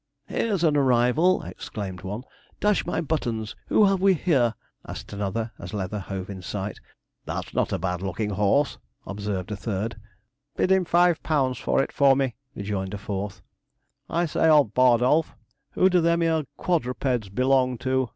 'Here's an arrival!' exclaimed one. 'Dash my buttons, who have we here?' asked another, as Leather hove in sight. 'That's not a bad looking horse,' observed a third. 'Bid him five pounds for it for me,' rejoined a fourth. 'I say, old Bardolph! who do them 'ere quadrupeds belong to?'